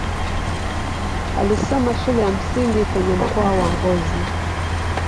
Alisoma shule ya msingi kwenye mkoa wa Ngozi.